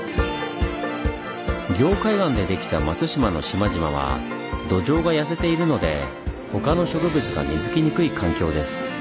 凝灰岩でできた松島の島々は土壌が痩せているので他の植物が根づきにくい環境です。